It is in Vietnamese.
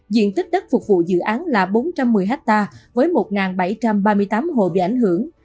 diện tích đất phục vụ dự án là bốn trăm một mươi ha với một bảy trăm ba mươi tám hộ bị ảnh hưởng